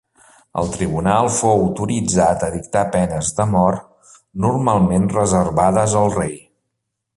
El tribunal fou autoritzat a dictar penes de mort normalment reservades al rei.